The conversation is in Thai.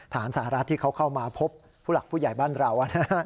สหรัฐที่เขาเข้ามาพบผู้หลักผู้ใหญ่บ้านเรา